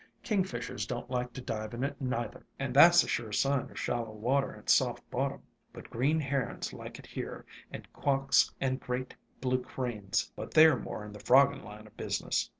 King fishers don't like to dive in it neither, and that 's a sure sign of shallow water and soft bottom. But green herons like it here, and quawks and great blue cranes, but they 're more in the frogging line o' business."